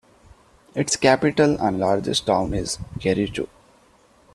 Its capital and largest town is Kericho.